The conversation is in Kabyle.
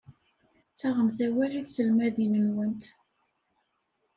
Ttaɣemt awal i tselmadin-nwent.